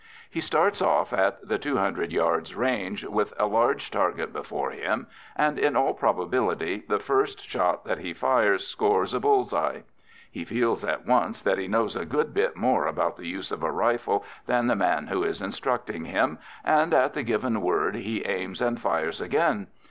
He starts off at the 200 yards' range with a large target before him, and, in all probability, the first shot that he fires scores a bull's eye. He feels at once that he knows a good bit more about the use of a rifle than the man who is instructing him, and at the given word he aims and fires again.